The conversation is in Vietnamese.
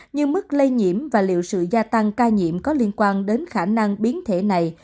như mức lây nhiễm và liệu sự gia tăng ca nhiễm có liên quan đến khả năng biến thể này